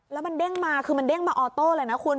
แล้วมันเด้งมาคือมันเด้งมาออโต้เลยนะคุณ